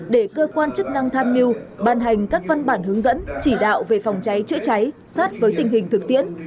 để cơ quan chức năng tham mưu ban hành các văn bản hướng dẫn chỉ đạo về phòng cháy chữa cháy sát với tình hình thực tiễn